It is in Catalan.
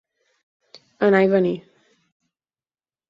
Anar i venir.